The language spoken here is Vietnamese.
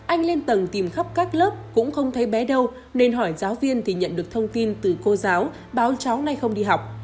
anh lên tầng tìm khắp các lớp cũng không thấy bé đâu nên hỏi giáo viên thì nhận được thông tin từ cô giáo báo cháu nay không đi học